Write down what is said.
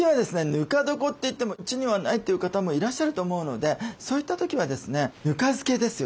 ぬか床といってもうちにはないという方もいらっしゃると思うのでそういった時はですねぬか漬けですよね。